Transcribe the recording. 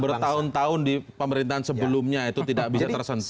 jadi yang bertahun tahun di pemerintahan sebelumnya itu tidak bisa tersentuh